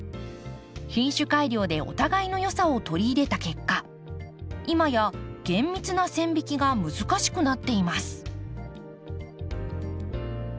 品種改良でお互いのよさを取り入れた結果今や厳密な線引きが難しくなっています。